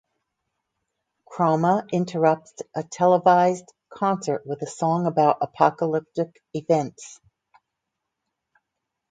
Chroma interrupts a televised concert with a song about apacolyptic events.